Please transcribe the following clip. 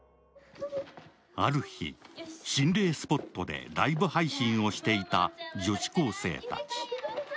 ある日、心霊スポットでライブ配信をしていた女子高生たち。